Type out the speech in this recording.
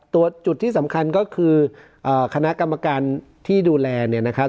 จุดที่สำคัญก็คือคณะกรรมการที่ดูแลเนี่ยนะครับ